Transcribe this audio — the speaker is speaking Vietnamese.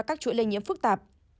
các chuỗi lây nhiễm phức tạp